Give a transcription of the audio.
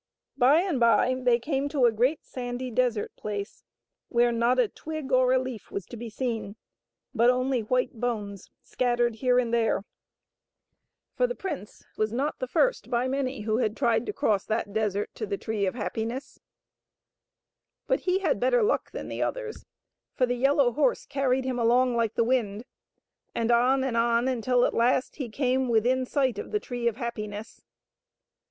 By and by they came to a great sandy desert place where not a twig or a leaf was to be seen, but only white bones scattered here and there, for the prince was ^eepngunber t^trceof life d ^no^ing € akoapUht^crFthing. 112 THE WHITE BIRD. not the first by many who had tried to cross that desert to the Tree of Happiness. But he had better luck than the others, for the yellow horse carried him along like the wind, and on and on until at last he came within sight of the Tree of Happiness.